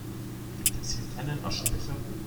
Gibt es hier keinen Aschenbecher?